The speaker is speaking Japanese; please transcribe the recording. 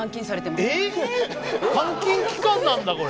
監禁期間なんだこれ。